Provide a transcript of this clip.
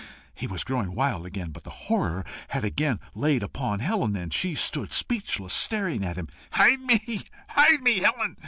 He was growing wild again; but the horror had again laid hold upon Helen, and she stood speechless, staring at him. "Hide me hide me, Helen!"